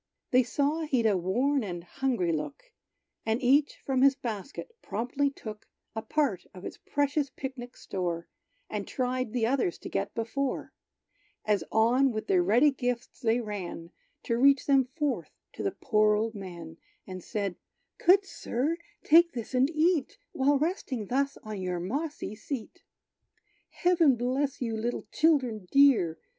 They saw he'd a worn and hungry look; And each from his basket promptly took A part of its precious pic nic store, And tried the others to get before, As on with their ready gifts they ran, To reach them forth to the poor old man; And said, "Good Sir, take this and eat While resting thus on your mossy seat." "Heaven bless you, little children dear!"